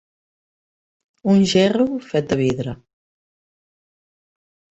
Un gerro fet de vidre.